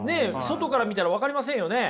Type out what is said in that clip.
外から見たら分かりませんよね。